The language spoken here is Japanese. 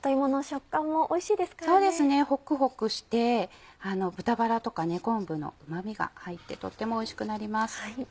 ホクホクして豚バラとか昆布のうま味が入ってとってもおいしくなります。